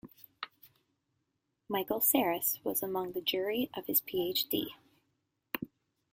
Michel Serres was among the jury of his Ph.D.